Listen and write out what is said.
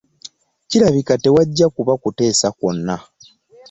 Kirabika tewajja kuba kuteesa kwonna.